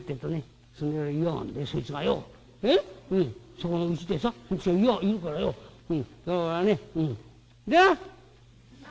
そこのうちでさそいつがいるからよだからねうん出な！